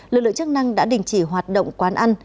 lực lượng chức năng đã đình chỉ hoạt động quán ăn